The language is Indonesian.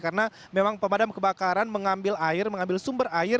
karena memang pemadam kebakaran mengambil air mengambil sumber air